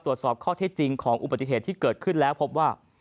ตรวจสอบข้อเท็จจริงของอุบัติเหตุที่เกิดขึ้นแล้วพบว่า